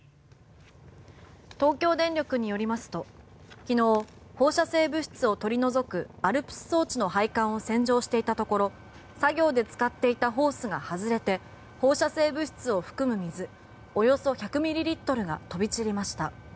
東京電力によりますと昨日、放射性物質を取り除くＡＬＰＳ装置の配管を洗浄していたところ作業で使っていたホースが外れて放射性物質を含む水およそ１００ミリリットルが飛び散りました。